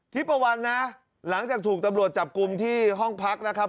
ปะวันนะหลังจากถูกตำรวจจับกลุ่มที่ห้องพักนะครับ